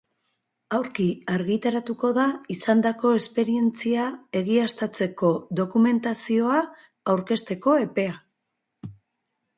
Aurki argitaratuko da izandako esperientzia egiaztatzeko dokumentazioa aurkezteko epea.